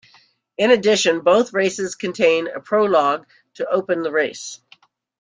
In addition, both races contained a prologue to open the race.